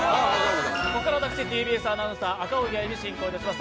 ここから私、ＴＢＳアナウンサー、赤荻歩、進行いたします。